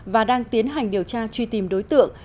và đang tiến hành điều tra truy tìm đối tượng